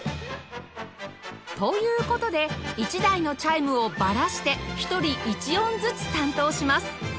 という事で１台のチャイムをバラして１人１音ずつ担当します